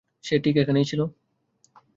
সে ঠিক এখানেই ছিল।